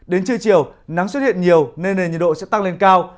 đến trưa chiều nắng xuất hiện nhiều nên nền nhiệt độ sẽ tăng lên cao